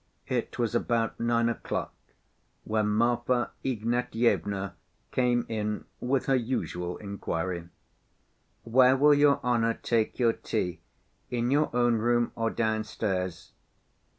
It was about nine o'clock when Marfa Ignatyevna came in with her usual inquiry, "Where will your honor take your tea, in your own room or downstairs?"